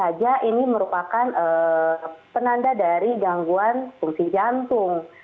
hanya saja ini merupakan penanda dari gangguan fungsi jantung